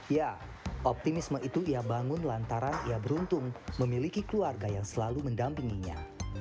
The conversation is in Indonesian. ya optimisme itu ia bangun lantaran ia beruntung memiliki keluarga yang selalu mendampinginya